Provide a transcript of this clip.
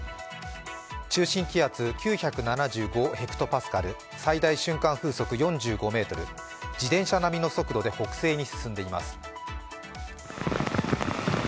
中心気圧９７５ｈＰａ、最大瞬間風速４５メートル、自転車並みの速度で北西に進んでいます。